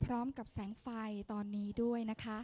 พร้อมกับแสงไฟตอนนี้ด้วยนะคะ